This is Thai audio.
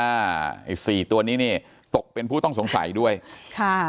ไอ้สี่ตัวนี้นี่ตกเป็นผู้ต้องสงสัยด้วยค่ะ